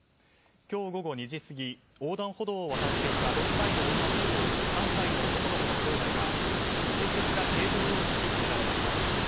今日午後２時過ぎ横断歩道を渡っていた６歳の女の子と３歳の男の子のきょうだいが右折した軽乗用車にはねられました。